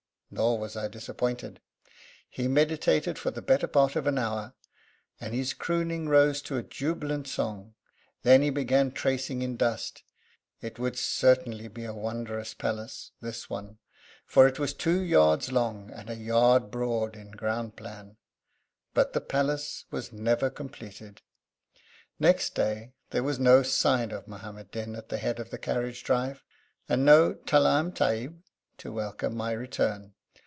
Nor was I disappointed He meditated for the better part of an hour, and his crooning rose to a jubilant song. Then he began tracing in the dust. It would certainly be a wondrous palace, this one, for it was two yards long and a yard broad in ground plan. But the palace was never completed. Next day there was no Muhammad Din at the head of the carriage drive, and no 'Talaam, Tahib' to welcome my return.